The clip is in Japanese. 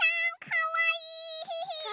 かわいい。